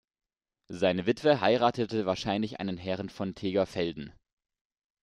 Seine Witwe heiratete wahrscheinlich einen Herren von Tegerfelden.